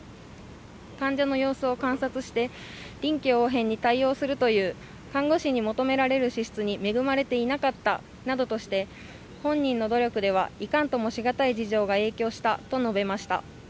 患者の様子を観察して臨機応変に対応するという看護師に求められる資質に恵まれていなかったなどとして、本人の努力ではいかんともしがたい事情が影響したと述べました。